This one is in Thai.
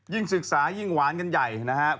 ศึกษายิ่งหวานกันใหญ่นะครับ